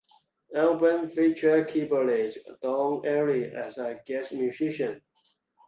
Album featured keyboardist Don Airey as guest musician.